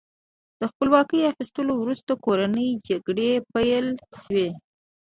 د خپلواکۍ اخیستلو وروسته کورنۍ جګړې پیل شوې.